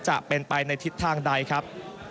จะเป็นไปในทิศทางใดครับ